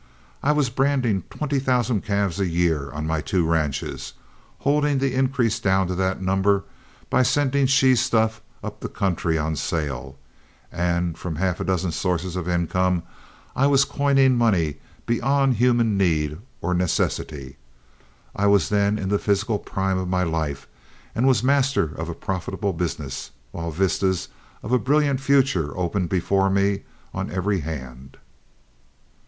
I was branding twenty thousand calves a year on my two ranches, holding the increase down to that number by sending she stuff up the country on sale, and from half a dozen sources of income I was coining money beyond human need or necessity. I was then in the physical prime of my life and was master of a profitable business, while vistas of a brilliant future opened before me on every hand.